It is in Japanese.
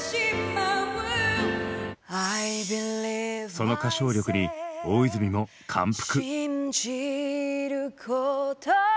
その歌唱力に大泉も感服！